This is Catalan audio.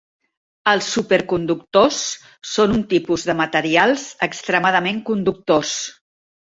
Els superconductors són un tipus de materials extremadament conductors.